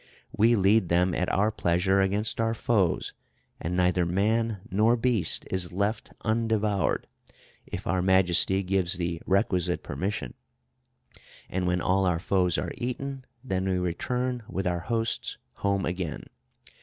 We lead them at our pleasure against our foes, and neither man nor beast is left undevoured, if our Majesty gives the requisite permission. And when all our foes are eaten, then we return with our hosts home again.